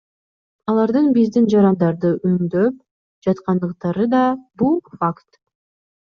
Алардын биздин жарандарды үндөп жаткандыктары да – бул факт.